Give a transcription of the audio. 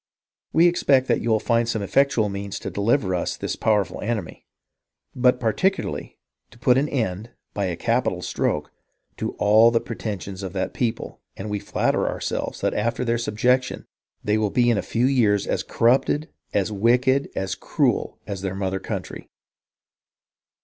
AVe expect that you will find some effectual means to deliver us from this powerful enemy, but particularly to put an end, by a capital stroke, to all the pretensions of that people, and we flatter ourselves that after their subjection they will be in a feu years as corrupted, as wicked, as cruel as their mother country.